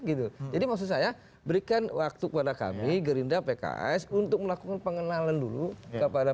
gitu jadi maksud saya berikan waktu kepada kami gerindra pks untuk melakukan pengenalan dulu kepada